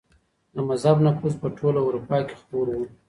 د مذهب نفوذ په ټوله اروپا کي خپور و.